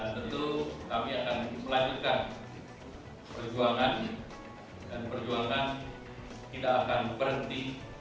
tentu kami akan melanjutkan perjuangan dan perjuangan kita akan berhenti